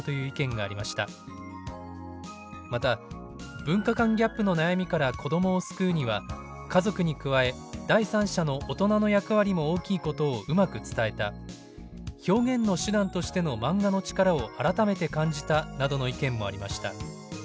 また「文化間ギャップの悩みから子供を救うには家族に加え第三者の大人の役割も大きいことをうまく伝えた」「表現の手段としての漫画の力を改めて感じた」などの意見もありました。